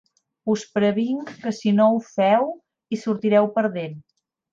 Us previnc que si no ho feu hi sortireu perdent.